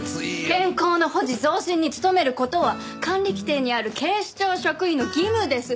健康の保持増進に努める事は管理規程にある警視庁職員の義務です。